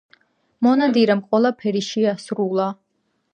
მონადირემ ყველაფერი შეასრულა.